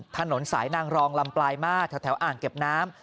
ถนนสายนางรองลำปลายมาแถวอ่างเก็บน้ำ